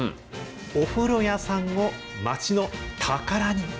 お風呂屋さんを町の宝に。